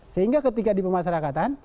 sehingga ketika di pemasarakatan